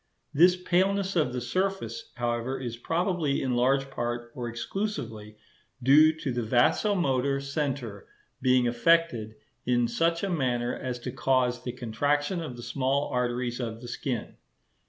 This paleness of the surface, however, is probably in large part, or exclusively, due to the vasomotor centre being affected in such a manner as to cause the contraction of the small arteries of the skin.